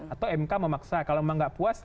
atau mk memaksa kalau memang nggak puas